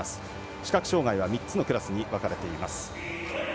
視覚障がいは３つのクラスに分かれています。